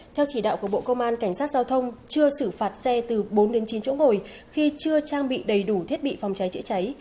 theo chỉ đạo của bộ công an cảnh sát giao thông chưa xử phạt xe từ bốn đến chín chỗ ngồi khi chưa trang bị đầy đủ thiết bị phòng cháy chữa cháy